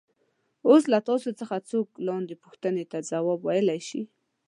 اوس له تاسو څخه څوک لاندې پوښتنو ته ځواب ویلای شي.